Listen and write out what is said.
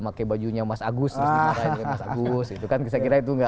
pakai bajunya mas agus terus dimarahin oleh mas agus gitu kan saya kira itu nggak